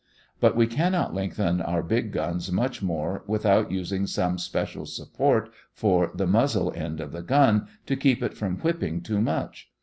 But we cannot lengthen our big guns much more without using some special support for the muzzle end of the gun, to keep it from "whipping" too much.